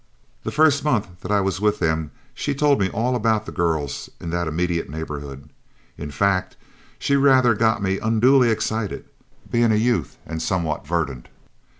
The first month that I was with them she told me all about the girls in that immediate neighborhood. In fact, she rather got me unduly excited, being a youth and somewhat verdant.